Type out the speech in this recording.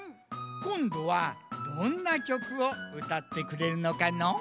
こんどはどんなきょくをうたってくれるのかのう？